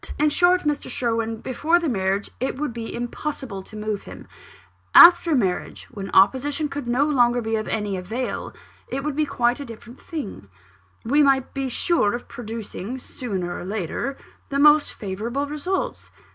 In short, Mr. Sherwin, before marriage, it would be impossible to move him after marriage, when opposition could no longer be of any avail, it would be quite a different thing: we might be sure of producing, sooner or later, the most favourable results.